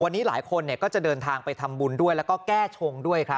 วันนี้หลายคนก็จะเดินทางไปทำบุญด้วยแล้วก็แก้ชงด้วยครับ